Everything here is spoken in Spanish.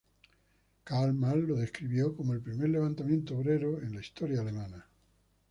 Karl Marx lo describió como el "primer levantamiento obrero en la historia alemana".